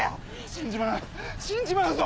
死んじまう死んじまうぞ！